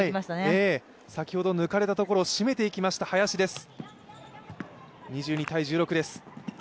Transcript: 先ほど抜かれたところを締めていきました、林です。